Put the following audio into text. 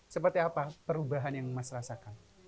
seperti apa perubahan yang mas rasakan